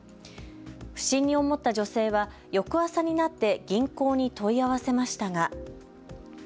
不審に思った女性は翌朝になって銀行に問い合わせましたが。